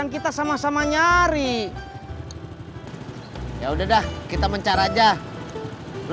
ini lho pak mereka mencari kontrakan yang kosong